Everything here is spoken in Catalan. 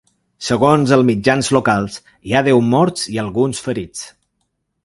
Segons els mitjans locals, hi ha deu morts i alguns ferits.